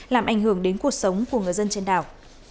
làm ảnh hưởng đến cuộc sống của người dân trên đảo